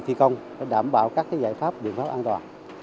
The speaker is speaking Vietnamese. thì công phải đảm bảo các cái giải pháp biện pháp an toàn